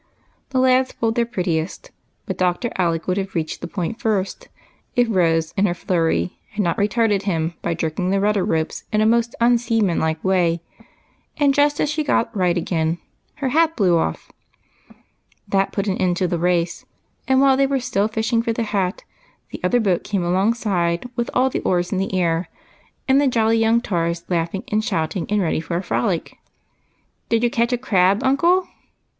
The lads pulled their prettiest, but Dr. Alec would have reached the Point first, if Rose, in her flurry, had not retarded him by jerking the rudder ropes in a most unseamanlike way, and just as she got right again her hat blew off. That put an end to the race, and while they were still fishing for the hat the other boat came alongside, with all the oars in the air, and the jolly young tars ready for a frolic. " Did you catch a crab, uncle